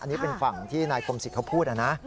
อันนี้เป็นฝั่งที่นายคมศิษย์เขาพูดนะ